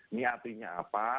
ini artinya apa